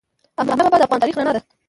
احمدشاه بابا د افغان تاریخ رڼا ده.